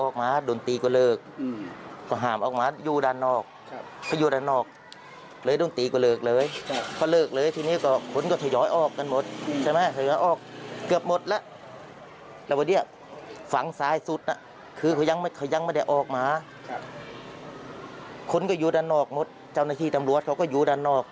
คนก็อยู่ด้านนอกจ้าวนาฬิกาตำรวจเขาก็อยู่ด้านนอก